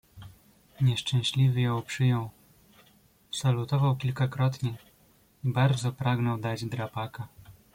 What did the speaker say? "Nieszczęśliwy ją przyjął, salutował kilkakrotnie i bardzo pragnął dać drapaka."